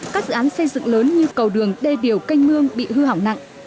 các dự án xây dựng lớn như cầu đường đê điều canh mương bị hư hỏng nặng